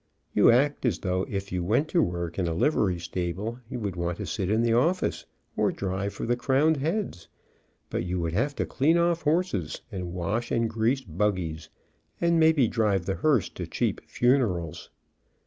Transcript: You act as though if you went to work in a livery stable you would want to sit in the office, or drive for the crowned heads, but you would have to clean off horses and wash and grease buggies, and maybe drive the hearse to cheap funerals.